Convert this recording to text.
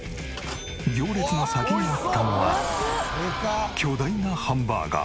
行列の先にあったのは巨大なハンバーガー。